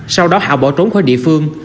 sau đó hảo bỏ trốn khỏi địa phương